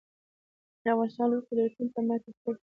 افغانستان لویو قدرتونو ته ماتې ورکړي